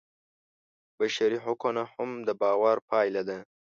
بشري حقونه هم د باور پایله ده.